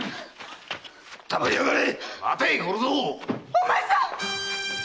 お前さん！